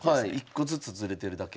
１個ずつずれてるだけ。